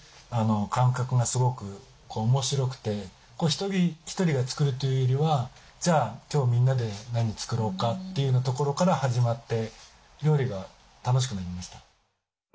一人一人が作るというよりはじゃあ今日みんなで何作ろうかというなところから始まって料理が楽しくなりました。